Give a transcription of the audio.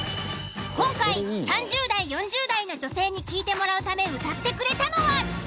今回３０代４０代の女性に聴いてもらうため歌ってくれたのは。